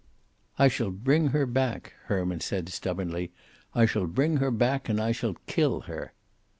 "I shall bring her back," Herman said, stubbornly. "I shall bring her back, and I shall kill her."